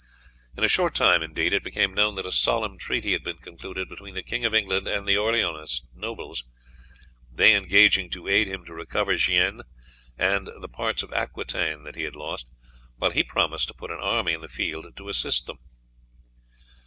In a short time, indeed, it became known that a solemn treaty had been concluded between the King of England and the Orleanist nobles, they engaging to aid him to recover Guienne and the parts of Aquitaine he had lost, while he promised to put an army in the field to assist them.